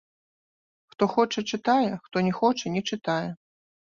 Хто хоча чытае хто не хоча не чытае.